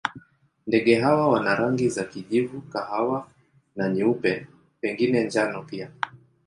Ndege hawa wana rangi za kijivu, kahawa na nyeupe, pengine njano pia.